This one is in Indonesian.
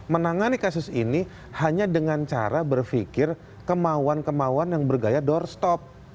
menangani kasus ini hanya dengan cara berpikir kemauan kemauan yang bergaya doorstop